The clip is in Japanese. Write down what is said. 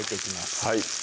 はい